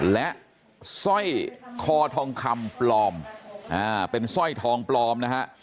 และสร้อยคอทองคำปลอมเป็นสร้อยทองปลอมนะฮะ